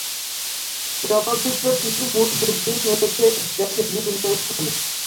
চলচ্চিত্রটির মূল শ্যুটিং হয়েছে দেশের বিভিন্ন স্থানে।